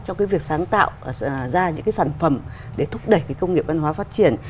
trong việc sáng tạo ra những sản phẩm để thúc đẩy công nghiệp văn hóa phát triển